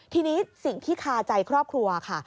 ทีนี้สิ่งที่คาใจครอบครัวค่ะ